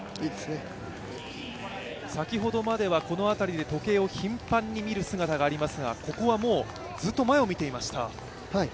先ほどまではこの辺りで時計を頻繁に見る姿がありましたがここはもうずっと前を見ていました。